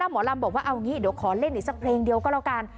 ฮบยบอกว่าเอาอย่างนี้เดี๋ยวขอเล่นอีกซักเพลงเดียวก็แล้วกัน